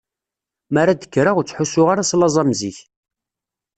Mi ara d-kkreɣ ur ttḥussuɣ ara s laẓ am zik.